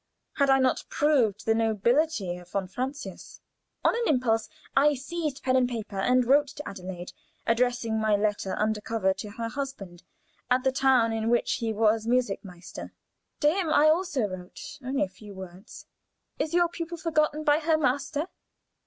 Had I not proved the nobility of von Francius? On an impulse I seized pen and paper, and wrote to Adelaide, addressing my letter under cover to her husband at the town in which he was musik direktor; to him I also wrote only a few words "Is your pupil forgotten by her master?